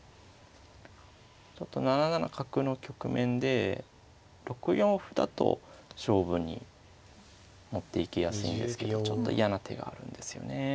ちょっと７七角の局面で６四歩だと勝負に持っていきやすいんですけどちょっと嫌な手があるんですよね。